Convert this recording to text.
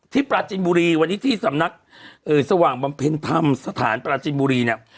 ปราจินบุรีวันนี้ที่สำนักสว่างบำเพ็ญธรรมสถานปราจินบุรีเนี่ย